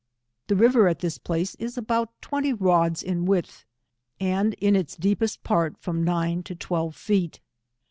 The river at this place is about twenty rods in width, and, in its deepest part, from nine to twelve feet.